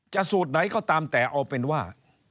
สูตรไหนก็ตามแต่เอาเป็นว่า